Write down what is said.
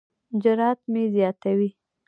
جرات مې زیاتوي.